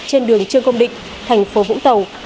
trên đường trương công định tp vũng tàu